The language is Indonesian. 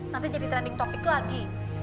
nanti jadi trending topic lagi